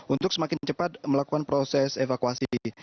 untuk semakin cepat melakukan proses evakuasi